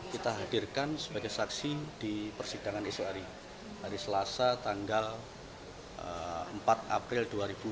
kita hadirkan sebagai saksi di persidangan esok hari hari selasa tanggal empat april dua ribu dua puluh